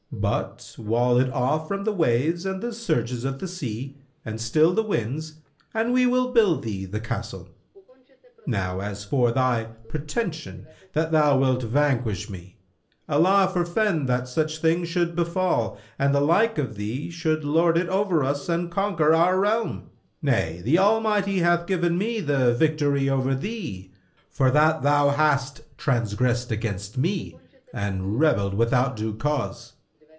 But wall it off from the waves and the surges of the sea and still the winds, and we will build thee the castle. Now as for thy pretension that thou wilt vanquish me, Allah forfend that such thing should befal and the like of thee should lord it over us and conquer our realm! Nay, the Almighty hath given me the victory over thee, for that thou hast transgressed against me and rebelled without due cause.